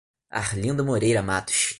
Arlindo Moreira Matos